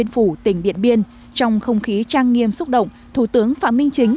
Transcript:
phủ tỉnh điện biên trong không khí trang nghiêm xúc động thủ tướng phạm minh chính